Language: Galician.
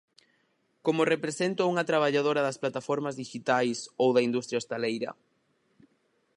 Como represento a unha traballadora das plataformas dixitais ou da industria hostaleira?